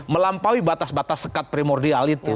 melampaui batas batas sekat primordial itu